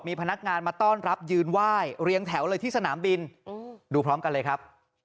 มีพนักงานมาต้อนรับยืนไหว้เรียงแถวเลยที่สนามบินดูพร้อมกันเลยครับ